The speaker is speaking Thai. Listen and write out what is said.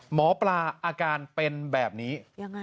หมอปลาอาการเป็นแบบนี้